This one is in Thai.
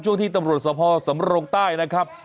ช่วงที่ตำรวจสภสำรงใต้นะครับ